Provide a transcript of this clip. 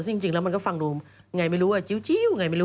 ซึ่งจริงแล้วมันก็ฟังดูไงไม่รู้ว่าจิ๊วไงไม่รู้